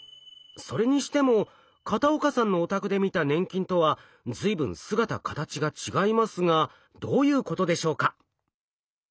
それにしても片岡さんのお宅で見た粘菌とは随分姿形が違いますがどういうことでしょうか？